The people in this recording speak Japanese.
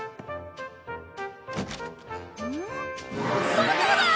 外だ！